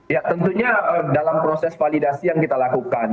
ya tentunya dalam proses validasi yang kita lakukan